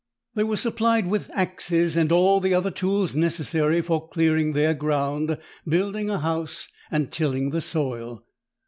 They were supplied with axes and all other tools necessary for clearing their ground, building a house, and tilling the soil.